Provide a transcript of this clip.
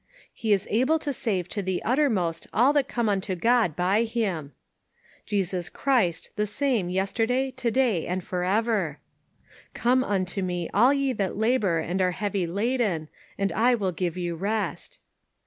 " He is able to save to the uttermost all that come unto God by him." " Jesus Christ, LIGHT OUT OF DARKNESS. 429 the same yesterday, to day and forever." " Come unto me all ye that labor and are heavy laden, and I will give you rest."